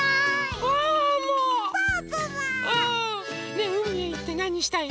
ねえうみへいってなにしたい？